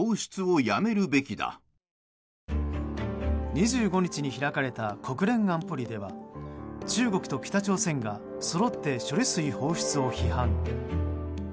２５日に開かれた国連安保理では中国と北朝鮮がそろって処理水放出を批判。